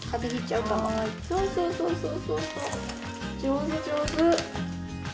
上手上手。